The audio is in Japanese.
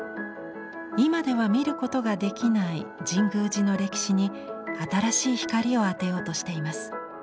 今では見ることができない神宮寺の歴史に新しい光を当てようとしています。